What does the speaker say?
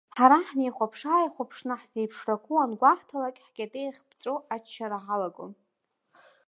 Ҳара ҳнеихәаԥшы-ааихәаԥшны ҳзеиԥшрақәоу ангәаҳҭалак, ҳкьатеих ԥҵәо аччара ҳалагон.